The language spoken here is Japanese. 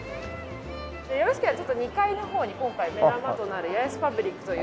よろしければ２階の方に今回目玉となるヤエスパブリックという。